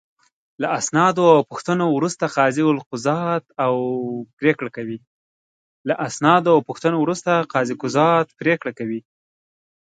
له اسنادو او پوښتنو وروسته قاضي قضاوت او پرېکړه کوي.